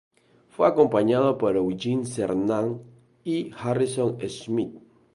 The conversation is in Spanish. Fue acompañado por Eugene Cernan y Harrison Schmitt.